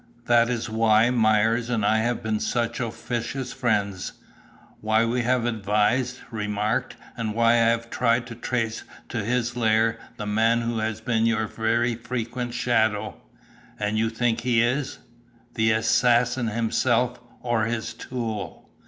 "That is why Myers and I have been such officious friends, why we have advised, remarked, and why I have tried to trace to his lair the man who has been your very frequent shadow." "And you think he is " "The assassin himself or his tool."